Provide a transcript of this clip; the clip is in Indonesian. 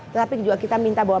tetapi juga kita minta bahwa